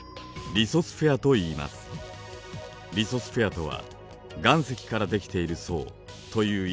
リソスフェアとは「岩石から出来ている層」という意味です。